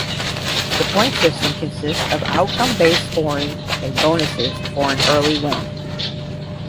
The point system consists of outcome based scoring and bonuses for an early win.